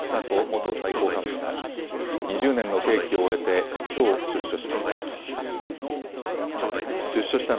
元最高幹部が２０年の刑期を終えてきょう出所しました。